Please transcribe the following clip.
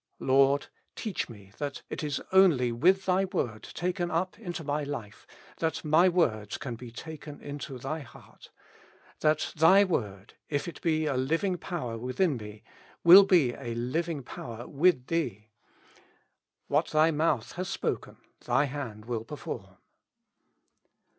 Lord, teach me that it is only with Thy word taken up into my life that my words can be taken into Thy heart ; that Thy word, if it be a living power within me, will be a living power with Thee ; what Thy mouth hath spoken Thy hand will perform.